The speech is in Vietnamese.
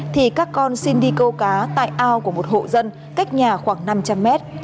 thì các con xin đi câu cá tại ao của một hộ dân cách nhà khoảng năm trăm linh mét